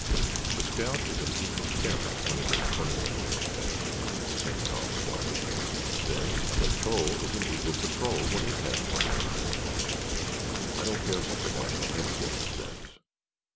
"If a scout is an Eagle Scout when he gets twenty one merit badges," said Tom, doggedly, "then a patrol is an Eagle Patrol when it has twenty one merit badges. I don't care what National Headquarters says."